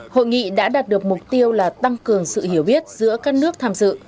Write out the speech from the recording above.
hội nghị đã đạt được mục tiêu là tăng cường sự hiểu biết giữa các nước tham dự